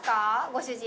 ご主人。